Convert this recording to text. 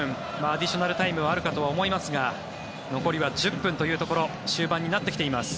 アディショナルタイムはあるかと思いますが残りは１０分というところ終盤になってきています。